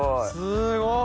すごい！